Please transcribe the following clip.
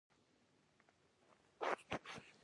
ایا زما زړه روغ دی؟